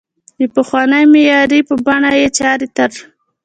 د پخوانۍ معمارۍ په بڼه یې چارې تر